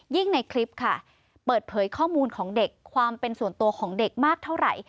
ในคลิปค่ะเปิดเผยข้อมูลของเด็กความเป็นส่วนตัวของเด็กมากเท่าไหร่